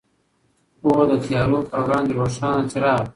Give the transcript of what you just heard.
پوهه د تیارو پر وړاندې روښان څراغ دی.